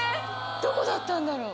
どこだったんだろう？